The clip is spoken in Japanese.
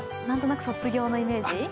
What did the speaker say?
なんとなく卒業のイメージ？